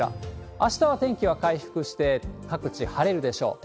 あしたは天気は回復して、各地晴れるでしょう。